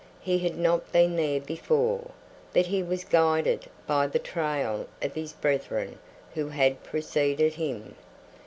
He had not been there before, but he was guided by the trail of his brethren who had preceded him.